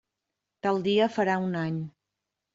Tal dia farà un any.